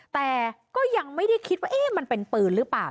แต่ก็ยังไม่ได้คิดว่ามันเป็นปืนหรือเปล่า